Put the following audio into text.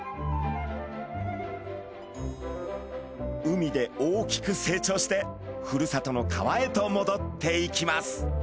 海で大きく成長してふるさとの川へともどっていきます。